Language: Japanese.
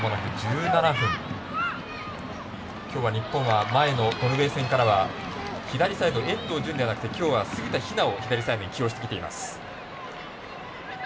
今日は日本は前のノルウェー戦からは左サイド、遠藤純ではなく杉田妃和を左サイドに起用してきています。